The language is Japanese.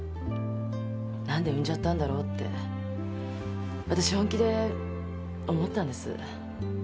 何で産んじゃったんだろうってわたし本気で思ったんです。